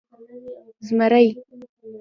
🦬 زمری